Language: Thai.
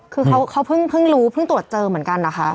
คือเขาเพิ่งรู้เพิ่งตรวจเจอเหมือนกันนะคะ